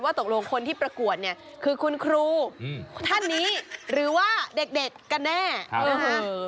ตกลงคนที่ประกวดเนี่ยคือคุณครูท่านนี้หรือว่าเด็กกันแน่นะคะ